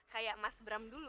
kayak mas bram dulu